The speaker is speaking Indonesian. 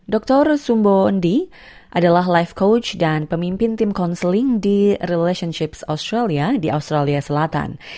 dr sumbo endi adalah live coach dan pemimpin tim counseling di relationships australia di australia selatan